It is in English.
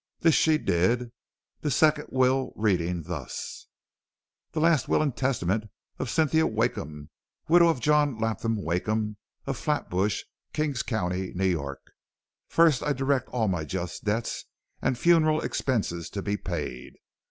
This she did; the second will reading thus: "The last will and testament of Cynthia Wakeham, widow of John Lapham Wakeham, of Flatbush, Kings County, New York. "First: I direct all my just debts and funeral expenses to be paid.